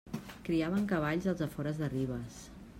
Criaven cavalls als afores de Ribes.